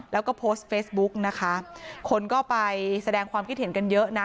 แล้วก็โพสต์เฟซบุ๊กนะคะคนก็ไปแสดงความคิดเห็นกันเยอะนะ